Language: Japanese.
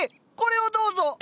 これをどうぞ！